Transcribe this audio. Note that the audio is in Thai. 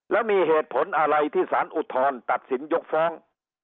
แล้วมีเหตุผลอะไรที่สารอุทธรณ์ตัดสินยกฟ้อง